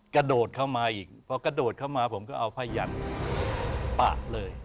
กระโดดเข้ามาอีกพอกระโดดเข้ามาผมก็เอาผ้ายันปาดเลย